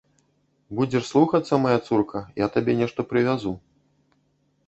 Будзеш слухацца, мая цурка, я табе нешта прывязу.